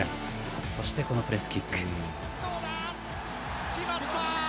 そして、このプレスキック。